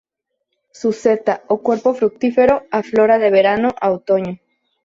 Su seta, o cuerpo fructífero, aflora de verano a otoño.